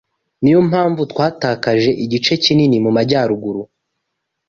Niyo mpamvu twatakaje igice kinini mu majyaruguru